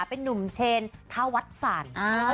เป็นนุ่มเชนธวัฒน์สรรค์